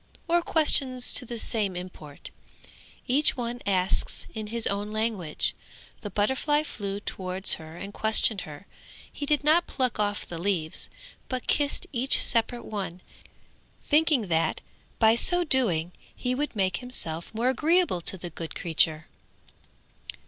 or questions to the same import. Each one asks in his own language. The butterfly flew towards her and questioned her; he did not pluck off the leaves, but kissed each separate one, thinking that by so doing, he would make himself more agreeable to the good creature.